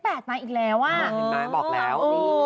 ๘๙เลข๘มาอีกแล้วอ่ะบอกแล้ว